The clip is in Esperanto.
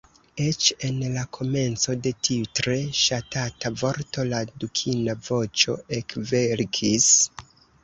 Eĉ en la komenco de tiu tre ŝatata vorto, la dukina voĉo ekvelkis.